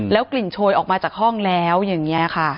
กลิ่นโชยออกมาจากห้องแล้วอย่างนี้ค่ะ